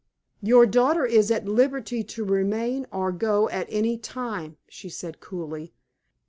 "Your daughter is at liberty to remain or go at any time," she said, coolly.